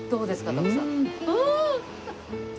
徳さん。